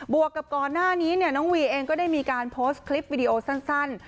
วกกับก่อนหน้านี้เนี่ยน้องวีเองก็ได้มีการโพสต์คลิปวิดีโอสั้น